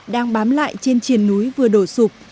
đang bám lại trên triền núi vừa đổ sụp